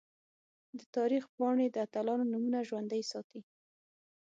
د تاریخ پاڼې د اتلانو نومونه ژوندۍ ساتي.